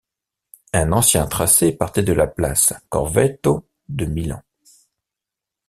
Un ancien tracé partait de la place Corvetto de Milan.